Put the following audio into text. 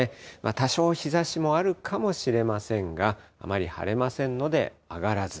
多少日ざしもあるかもしれませんが、あまり晴れませんので、上がらず。